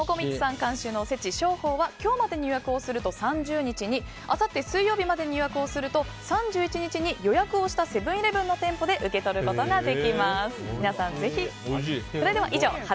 監修のおせち招宝は今日までに予約をすると３０日にあさって水曜日までに予約すると３１日までに予約したセブン‐イレブンの店舗で受け取ることができます。